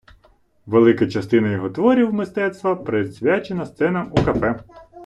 Велика частина його творів мистецтва присвячена сценам у кафе.